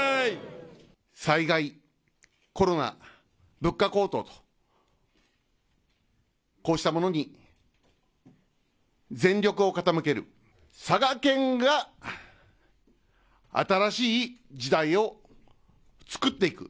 災害、コロナ、物価高騰、こうしたものに全力を傾ける、佐賀県が新しい時代をつくっていく。